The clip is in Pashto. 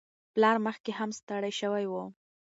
پلار مخکې هم ستړی شوی و.